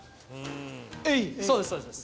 そうです。